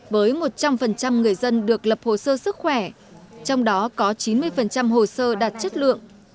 với một trăm phần trăm người dân được lập hồ sơ sức khỏe trong đó có chín mươi phần trăm hồ sơ đạt chất lượng